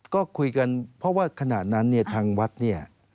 ก็คุยกันเพราะว่าขณะนั้นเนี่ยทางวัดเนี่ย